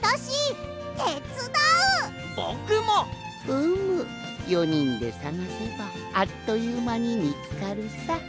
うむ４にんでさがせばあっというまにみつかるさ。